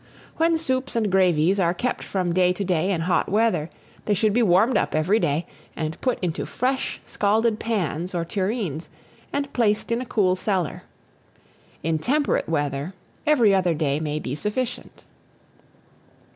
When soups and gravies are kept from day to day in hot weather, they should be warmed up every day, and put into fresh scalded pans or tureens, and placed in a cool cellar. In temperate weather, every other day may be sufficient.